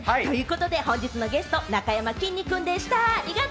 本日のゲスト、なかやまきんに君でした。